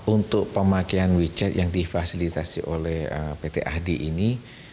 untuk pemakaian wechat yang difasilitasi oleh pt ahdi ini